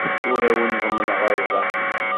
Ur awen-ḍemmneɣ rrbeḥ.